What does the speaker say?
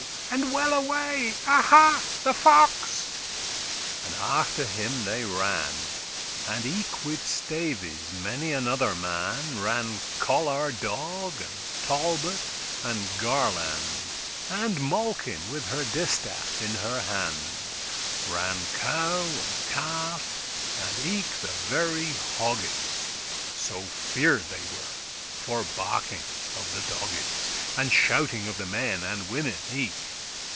and well away! Aha! the fox!" and after him they ran, And eke with staves many another man Ran Coll our dog, and Talbot, and Garland; And Malkin, with her distaff in her hand Ran cow and calf, and eke the very hogges So fear'd they were for barking of the dogges, And shouting of the men and women eke.